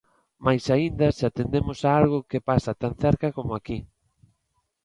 Máis aínda se atendemos a algo que pasa tan cerca como aquí.